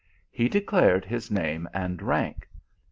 He de clared his name and rank.